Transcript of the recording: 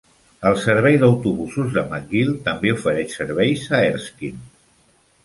El servei d'autobusos de McGill també ofereix serveis a Erskine.